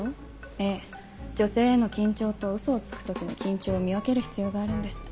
ええ女性への緊張とウソをつく時の緊張を見分ける必要があるんです。